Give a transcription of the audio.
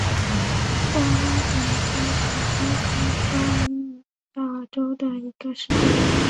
瓜拉廷加是巴西巴伊亚州的一个市镇。